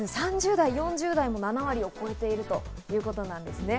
３０代、４０代も７割を超えてきているというわけですね。